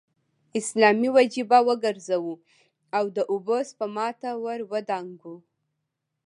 اسلامي وجیبه وګرځو او د اوبو سپما ته ور ودانګو.